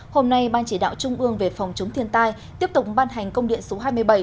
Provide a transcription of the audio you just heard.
hôm nay ban chỉ đạo trung ương về phòng chống thiên tai tiếp tục ban hành công điện số hai mươi bảy